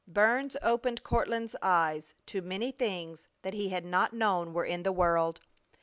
Burns opened Courtland's eyes to many things that he had not known were in the world.